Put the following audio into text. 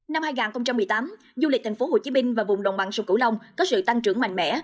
năm hai nghìn một mươi tám du lịch thành phố hồ chí minh và vùng đồng bằng sông cửu long có sự tăng trưởng mạnh mẽ